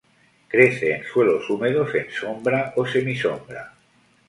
Crece en suelos húmedos en sombra o semi-sombra.